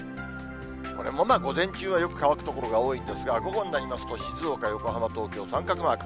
これもまあ、午前中はよく乾く所が多いんですが、午後になりますと、静岡、横浜、東京、三角マーク。